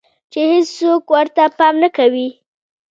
چې هيڅوک ورته پام نۀ کوي